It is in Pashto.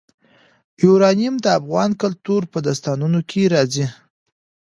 یورانیم د افغان کلتور په داستانونو کې راځي.